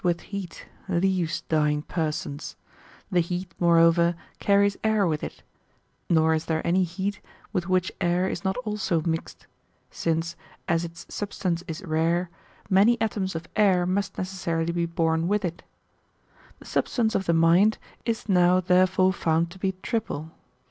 with heat, leaves dying persons; the heat, moreover, carries air with it ; nor is there any heat with which air is not also mixed ; since, as its^ substance is rare, many atoms of air must necessarily be borne with it The ^bstance of the mind is now therefore found to be triple.